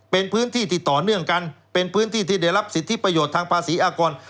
เป็นพื้นที่ที่ต่อเนื่องกันเป็นพื้นที่ที่ได้รับสิทธิประโยชน์ทางภาษีอากร